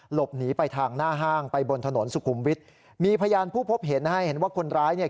หลบหนีไปทางหน้าห้างไปบนถนนสุขุมวิทย์มีพยานผู้พบเห็นนะฮะเห็นว่าคนร้ายเนี่ย